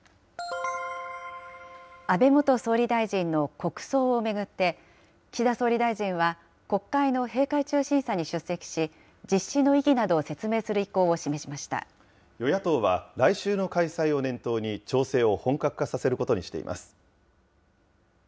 安倍元総理大臣の国葬を巡って、岸田総理大臣は国会の閉会中審査に出席し、実施の意義などを説明与野党は、来週の開催を念頭に、調整を本格化させることにしています。